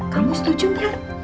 kamu setuju gak